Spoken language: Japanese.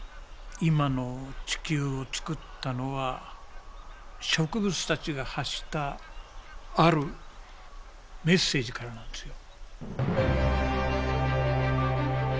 今の地球を作ったのは植物たちが発したあるメッセージからなんですよ。